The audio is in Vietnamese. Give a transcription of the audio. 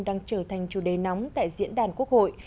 đang trở thành chủ đề nóng tại diễn đàn quốc hội